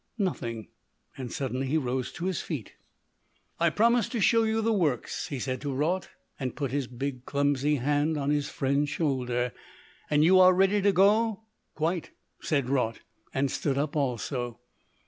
"Nothing;" and suddenly he rose to his feet. "I promised to show you the works," he said to Raut, and put his big, clumsy hand on his friend's shoulder. "And you are ready to go?" "Quite," said Raut, and stood up also.